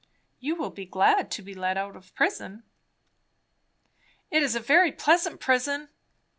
"You will be glad to be let out of prison?" "It is a very pleasant prison."